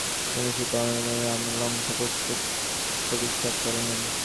বিভীষণ লঙ্কার সিংহাসনে আরোহণ করিলে সীতা ও অনুচরবর্গের সঙ্গে রাম লঙ্কা পরিত্যাগ করিলেন।